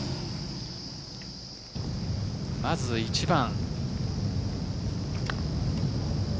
まず、１番。